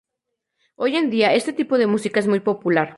Hoy en día, este tipo de música es muy popular.